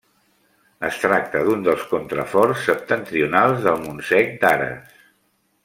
Es tracta d'un dels contraforts septentrionals del Montsec d'Ares.